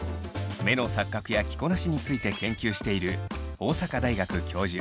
目の錯覚や着こなしについて研究している大阪大学教授